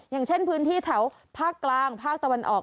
อย่างเช่นพื้นที่แถวภาคกลางภาคตะวันออก